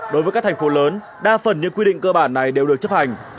đối với các thành phố lớn đa phần những quy định cơ bản này đều được chấp hành